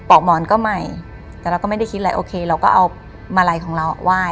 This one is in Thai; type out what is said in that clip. อกหมอนก็ใหม่แต่เราก็ไม่ได้คิดอะไรโอเคเราก็เอามาลัยของเราไหว้